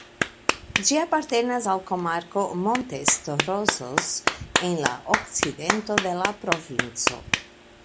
Ĝi apartenas al komarko "Montes Torozos" en la okcidento de la provinco.